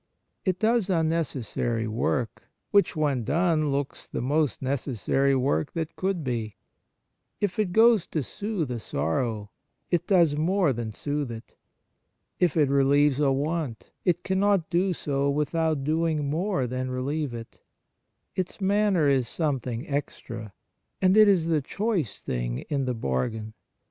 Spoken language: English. It does unneces sary work, which when done looks the most necessary work that could be. If it goes to soothe a sorrow, it does more than soothe it. If it relieves a want, it cannot do so without doing more than relieve it. Its manner is something extra, and it is the choice thing in the bargain.